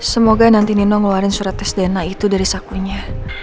semoga nanti nino ngeluarin surat tes dna itu dari sakunya